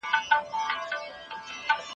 پښتو ادب او تاریخ سره تړلي دي.